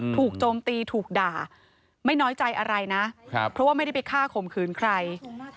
โจมตีถูกด่าไม่น้อยใจอะไรนะเพราะว่าไม่ได้ไปฆ่าข่มขืนใคร